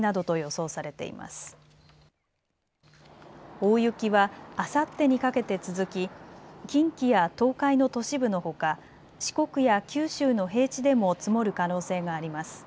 大雪はあさってにかけて続き近畿や東海の都市部のほか四国や九州の平地でも積もる可能性があります。